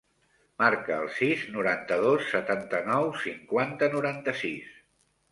Marca el sis, noranta-dos, setanta-nou, cinquanta, noranta-sis.